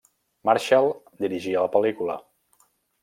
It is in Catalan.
Marshall dirigiria la pel·lícula.